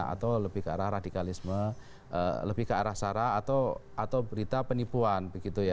atau lebih ke arah radikalisme lebih ke arah sara atau berita penipuan